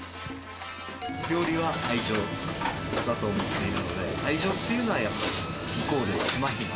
料理は愛情だと思っているので、愛情というのはやっぱりイコール手間暇。